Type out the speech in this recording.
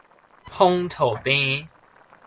風土病